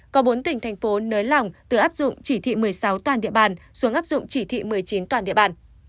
có bốn tỉnh thành phố nới lỏng từ áp dụng chỉ thị một mươi sáu toàn địa bàn xuống áp dụng chỉ thị một mươi chín toàn địa bàn